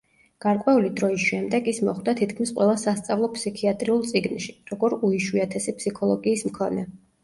გარკვეული დროის შემდეგ ის მოხვდა თითქმის ყველა სასწავლო ფსიქიატრიულ წიგნში, როგორ უიშვიათესი ფსიქოლოგიის მქონე.